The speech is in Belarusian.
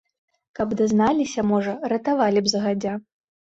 Каб дазналіся, можа, ратавалі б загадзя.